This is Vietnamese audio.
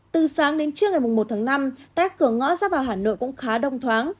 từ sáng đến trước ngày một tháng năm tác cửa ngõ giáp vào hà nội cũng khá đông thoáng